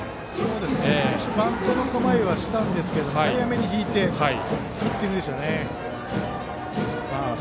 少しバントの構えはしたんですけども早めに引いてのヒッティングでした。